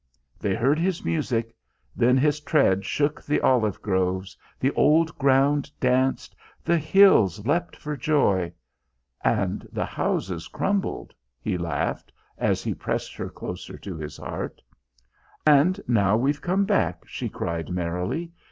They heard his music. Then his tread shook the olive groves, the old ground danced, the hills leapt for joy " "And the houses crumbled," he laughed as he pressed her closer to his heart "And now we've come back!" she cried merrily.